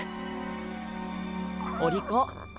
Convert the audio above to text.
お利口。